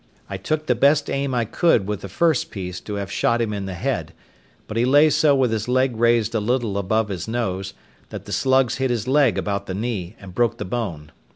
I took the best aim I could with the first piece to have shot him in the head, but he lay so with his leg raised a little above his nose, that the slugs hit his leg about the knee and broke the bone.